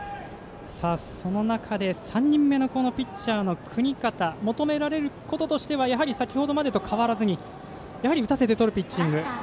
その中で３人目のピッチャーの國方、求められることとしては先ほどまでと変わらずにやはり打たせてとるピッチング。